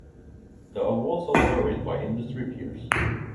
The awards are juried by industry peers.